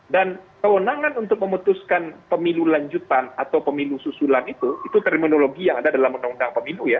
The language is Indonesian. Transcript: dan kewenangan untuk memutuskan pemilu lanjutan atau pemilu susulan itu itu terminologi yang ada dalam undang undang pemilu ya